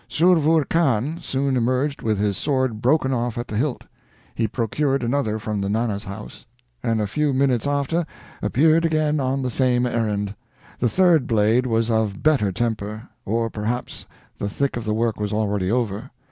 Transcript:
Survur Khan soon emerged with his sword broken off at the hilt. He procured another from the Nana's house, and a few minutes after appeared again on the same errand. The third blade was of better temper; or perhaps the thick of the work was already over.